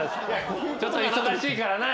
ちょっと忙しいからな。